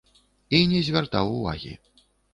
Я не звяртаў увагі.